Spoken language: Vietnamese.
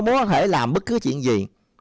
mua mỏ mua múa có thể làm bất cứ chuyện gì